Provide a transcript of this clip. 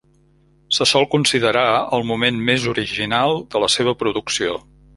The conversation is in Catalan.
Se sol considerar el moment més original de la seva producció.